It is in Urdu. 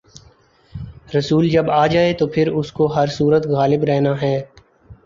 رسول جب آ جائے تو پھر اس کو ہر صورت غالب رہنا ہے۔